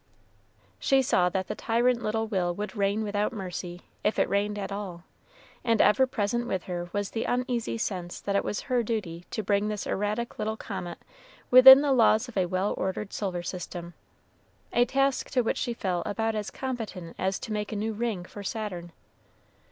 She saw that the tyrant little will would reign without mercy, if it reigned at all; and ever present with her was the uneasy sense that it was her duty to bring this erratic little comet within the laws of a well ordered solar system, a task to which she felt about as competent as to make a new ring for Saturn.